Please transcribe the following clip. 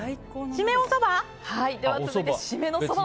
締めはおそば？